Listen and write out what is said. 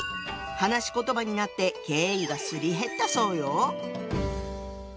話し言葉になって敬意がすり減ったそうよ。